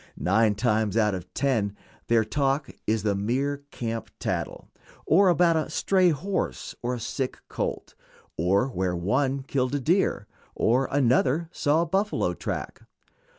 Nine times out of ten their talk is the merest camp tattle, or about a stray horse or sick colt, or where one killed a deer or another saw a buffalo track.